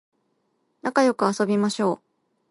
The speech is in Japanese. なかよく遊びましょう